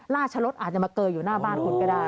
ล่าชะลดอาจจะมาเกย์อยู่หน้าบ้านคนก็ได้